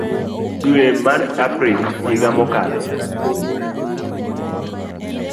dwe mar April higa mokalo.